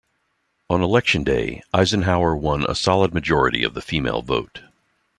On election day, Eisenhower won a solid majority of the female vote.